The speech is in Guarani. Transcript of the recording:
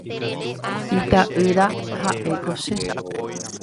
Ita'ýra ha'éko che.